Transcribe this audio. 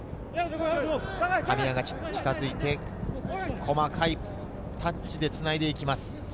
神山が近づいて細かいタッチでつないでいきます。